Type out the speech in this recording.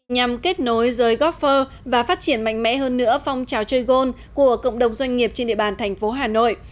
nhằm kết nối giới góp phơ và phát triển mạnh mẽ hơn nữa phong trào chơi gôn của cộng đồng doanh nghiệp trên địa bàn thành phố hà nội